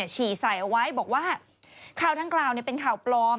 ฉี่ใส่เอาไว้บอกว่าข่าวดังกล่าวเป็นข่าวปลอม